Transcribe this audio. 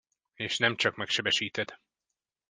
És nem csak megsebesíted.